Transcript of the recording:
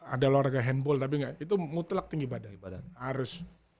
ada olahraga handball tapi enggak itu mutlak tinggi badan arus